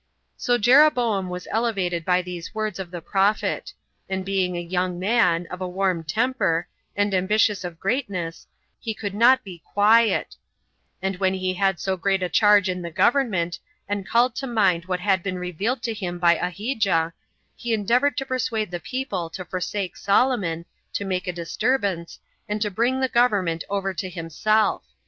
So Jeroboam was elevated by these words of the prophet; and being a young man, 22 of a warm temper, and ambitious of greatness, he could not be quiet; and when he had so great a charge in the government, and called to mind what had been revealed to him by Ahijah, he endeavored to persuade the people to forsake Solomon, to make a disturbance, and to bring the government over to himself.